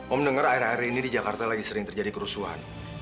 om mendengar akhir akhir ini di jakarta lagi sering terjadi kerusuhan